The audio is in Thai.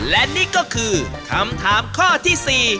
และนี่ก็คือคำถามข้อที่๔